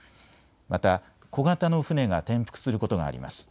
また小型の船が転覆することがあります。